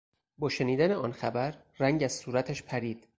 با شنیدن آن خبر، رنگ از صورتش پرید.